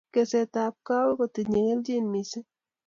kesetap kawek kotinye keljin missing